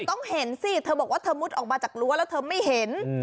ต้องเห็นสิเธอบอกว่าเธอมุดออกมาจากรั้วแล้วเธอไม่เห็น